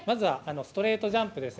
ストレートジャンプです。